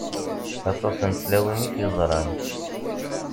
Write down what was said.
Aṭas n tlawin i t-yeẓṛan.